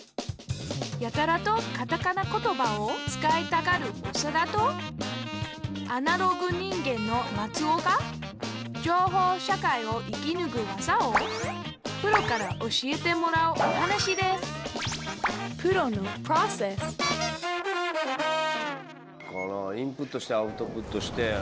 やたらとカタカナことばを使いたがるオサダとアナログ人間のマツオが情報社会を生きぬく技をプロから教えてもらうお話ですインプットしてアウトプットして。